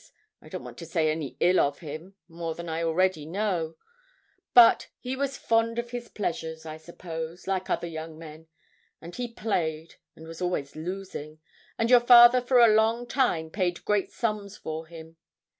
I don't want to say any ill of him more than I really know but he was fond of his pleasures, I suppose, like other young men, and he played, and was always losing, and your father for a long time paid great sums for him.